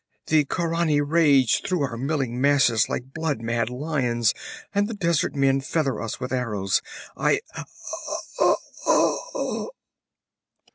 The Khaurani rage through our milling masses like blood mad lions, and the desert men feather us with arrows. I ahh!'